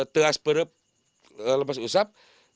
teas perup lepas usap